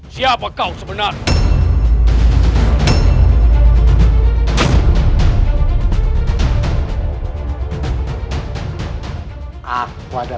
siapa kau sebenarnya